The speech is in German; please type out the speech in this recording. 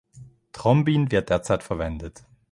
Thrombin wird derzeit verwendet.